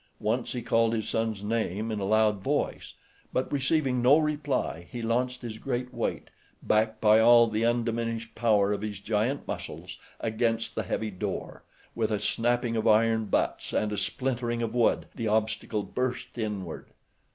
Once he called his son's name in a loud voice; but receiving no reply he launched his great weight, backed by all the undiminished power of his giant muscles, against the heavy door. With a snapping of iron butts and a splintering of wood the obstacle burst inward.